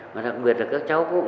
và đặc biệt là các cháu cũng